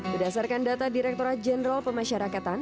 berdasarkan data direkturat jenderal pemasyarakatan